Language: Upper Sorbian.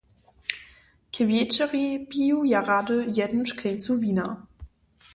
K wječeri piju ja rady jednu škleńcu wina.